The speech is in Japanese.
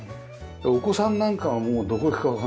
お子さんなんかはもうどこ行くかわからないから。